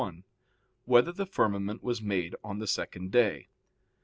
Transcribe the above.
1] Whether the Firmament Was Made on the Second Day?